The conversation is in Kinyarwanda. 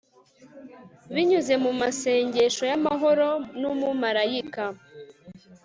binyuze mu masengesho yamahoro numumarayika